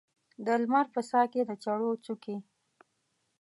د لمر په ساه کې د چړو څوکې